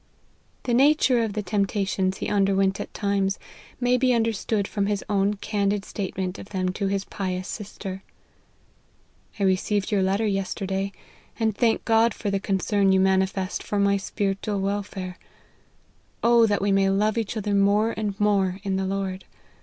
The nature of the temptations he underwent at times, may be understood from his own candid statement of them to his pious sister. " I received your letter yesterday, and thank God for the concern you manifest for my spiritual wel fare. O that we may love each other more and more in the Lord.